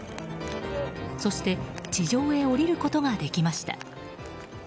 そして、地上へ下りることができました。